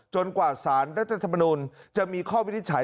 กว่าสารรัฐธรรมนุนจะมีข้อวินิจฉัย